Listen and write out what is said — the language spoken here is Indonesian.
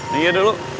nih ia dulu